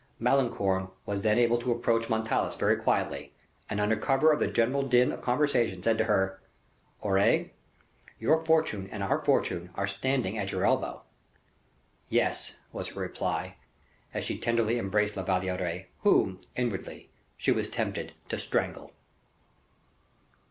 Malicorne was then able to approach Montalais very quietly, and under cover of the general din of conversation, said to her: "Aure, your fortune and our future are standing at your elbow." "Yes," was her reply, as she tenderly embraced La Valliere, whom, inwardly, she was tempted to strangle.